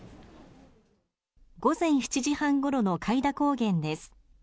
午前７時半ごろの開田高原です。